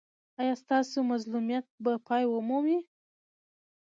ایا ستاسو مظلومیت به پای ومومي؟